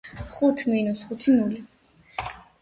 ხუთს მინუს ხუთი ნულია.